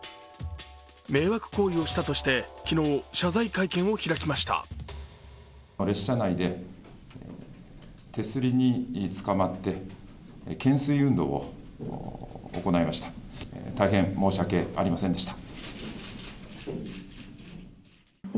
迷惑行為をしたとして昨日、謝罪会見を開きました。